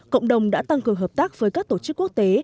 cộng đồng đã tăng cường hợp tác với các tổ chức quốc tế